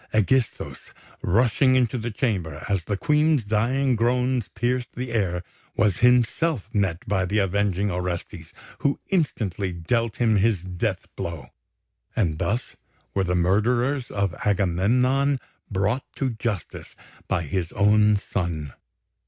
Ægisthos, rushing into the chamber as the Queen's dying groans pierced the air, was himself met by the avenging Orestes, who instantly dealt him his death blow; and thus were the murderers of Agamemnon brought to justice by his own son.